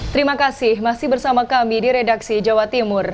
terima kasih masih bersama kami di redaksi jawa timur